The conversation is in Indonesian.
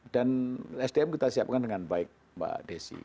dan sdm kita siapkan dengan baik mbak desi